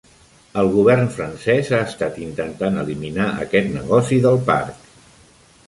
El govern francès ha estat intentant eliminar aquest negoci del parc.